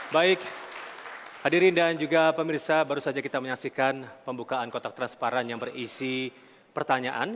baik hadirin dan juga pemirsa baru saja kita menyaksikan pembukaan kotak transparan yang berisi pertanyaan